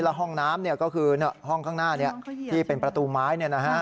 แล้วห้องน้ำก็คือห้องข้างหน้าที่เป็นประตูไม้